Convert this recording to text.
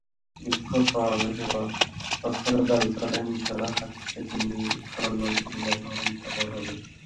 বিক্ষোভ সমাবেশে বক্তারা দাবি করেন, সোনাহাট সেতু দিয়ে স্থলবন্দরের যানবাহন পারাপার হয়।